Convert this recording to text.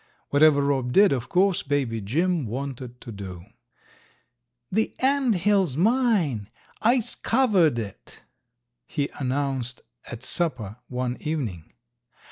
Whatever Rob did, of course, Baby Jim wanted to do. "The ant hill's mine! I 'scovered it!" he announced at supper one evening.